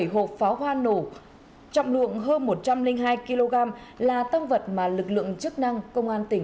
sáu mươi bảy hộp pháo hoa nổ trọng lượng hơn một trăm linh hai kg là tâm vật mà lực lượng chức năng công an tỉnh